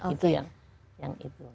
itu yang itu